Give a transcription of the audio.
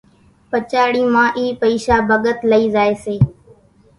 پچاڙِي مان اِي پئيشا ڀڳت لئِي زائيَ سي۔